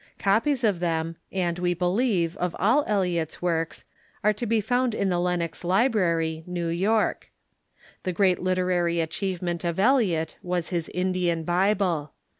Copies of them, and, w^e believe, of all Eliot's works, are to be found in the Lenox Library, New York. The great literary achievement of Eliot was his Indian Bible.